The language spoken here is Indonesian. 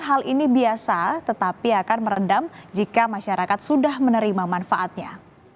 hal ini biasa tetapi akan meredam jika masyarakat sudah menerima manfaatnya